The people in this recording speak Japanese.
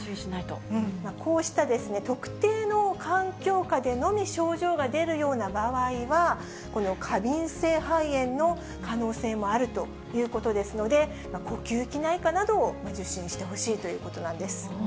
こうした特定の環境下でのみ症状が出るような場合は、この過敏性肺炎の可能性もあるということですので、呼吸器内科などを受診してほしいということなんです。